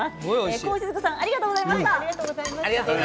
コウ静子さんありがとうございました。